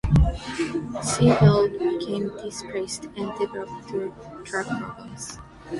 Siebel became depressed and developed drug problems.